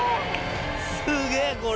すげえこれ。